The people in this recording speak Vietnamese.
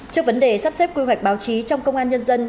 trước vấn đề sắp xếp quy hoạch báo chí trong công an nhân dân